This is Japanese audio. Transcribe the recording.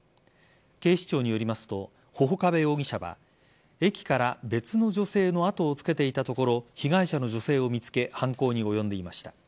警視庁によりますと波々伯部容疑者は駅から別の女性の後をつけていたところ被害者の女性を見つけ犯行に及んでいました。